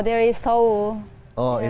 oh di seoul oke